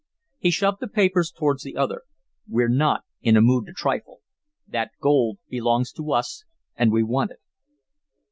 He shoved the papers towards the other. "We're not in a mood to trifle. That gold belongs to us, and we want it."